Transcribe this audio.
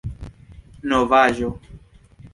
novaĵo